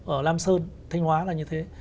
ở lam sơn thanh hóa là như thế